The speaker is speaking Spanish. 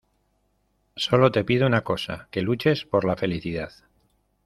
solo te pido una cosa, que luches por la felicidad